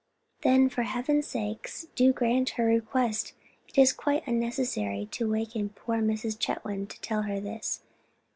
"Then, for Heaven's sake, do grant her request. It is quite unnecessary to awaken poor Mrs. Chetwynd to tell her this.